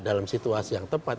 dalam situasi yang tepat